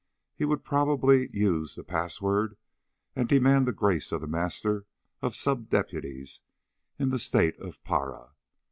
He would probably use the passwords and demand the grace of The Master of sub deputies in the State of Pará.